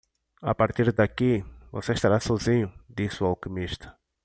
"A partir daqui,? você estará sozinho?", disse o alquimista.